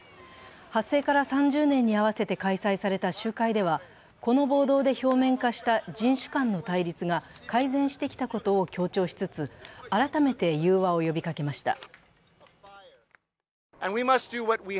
発生から３０年に合わせて開催された集会では、この暴投で表面化した人種間の対立が改善してきたことを強調しつつ改めて融和を呼びかけました。